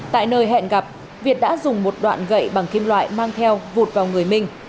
tại nơi hẹn gặp việt đã dùng một đoạn gậy bằng kim loại mang theo vụt vào người minh